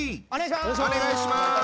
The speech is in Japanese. お願いします！